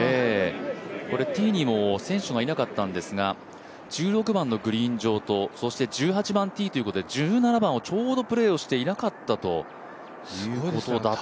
ティーにも選手がいなかったんですが、１６番のグリーン上と１８番ティーということで１７番をちょうどプレーしていなかったということだったと。